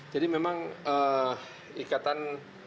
jadi memang ikatan